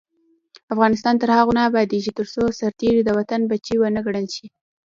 افغانستان تر هغو نه ابادیږي، ترڅو سرتیری د وطن بچی ونه ګڼل شي.